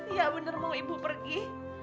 ia benar mau ibu pergi